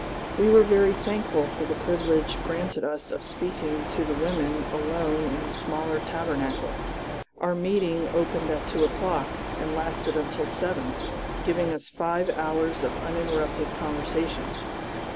We were very thankful for the privilege granted us of speaking to the women alone in the smaller Tabernacle. Our meeting opened at two o'clock and lasted until seven, giving us five hours of uninterrupted conversation.